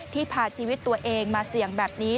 พาชีวิตตัวเองมาเสี่ยงแบบนี้